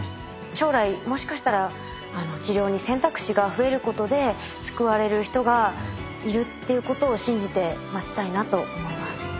将来もしかしたら治療に選択肢が増えることで救われる人がいるっていうことを信じて待ちたいなと思います。